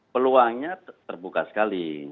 peluangnya terbuka sekali